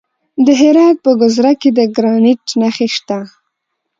د هرات په ګذره کې د ګرانیټ نښې شته.